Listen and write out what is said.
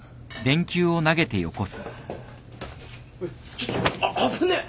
ちょっとあっ危ねえ。